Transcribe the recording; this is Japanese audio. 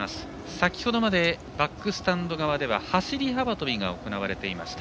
先ほどまでバックスタンド側では走り幅跳びが行われていました。